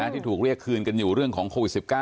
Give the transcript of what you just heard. ที่ถูกเรียกคืนกันอยู่เรื่องของโควิด๑๙